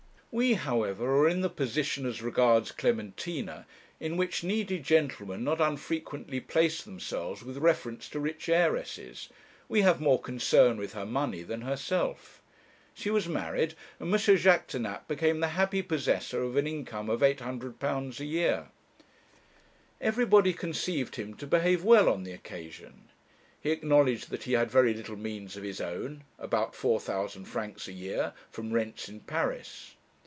We, however, are in the position, as regards Clementina, in which needy gentlemen not unfrequently place themselves with reference to rich heiresses. We have more concern with her money than herself. She was married, and M. Jaquêtanàpe became the happy possessor of an income of £800 a year. Everybody conceived him to behave well on the occasion. He acknowledged that he had very little means of his own about 4,000 francs a year, from rents in Paris.